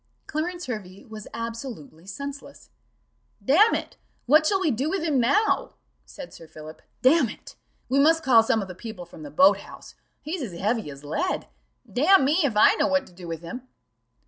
Clarence Hervey was absolutely senseless. "Damn it, what shall we do with him now?" said Sir Philip: "Damn it, we must call some of the people from the boat house he's as heavy as lead: damn me, if I know what to do with him."